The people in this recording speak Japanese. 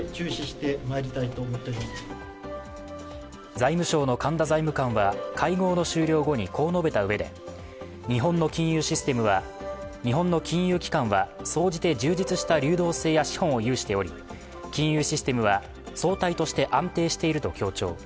財務省の神田財務官は会合の終了後にこう述べたうえで日本の金融期間は総じて充実した流動性や資本を有しており金融システムは総体として安定していると強調。